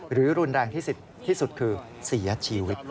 หรือรุนแรงที่สุดคือเสียชีวิต